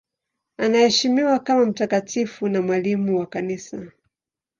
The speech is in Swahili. Anaheshimiwa kama mtakatifu na mwalimu wa Kanisa.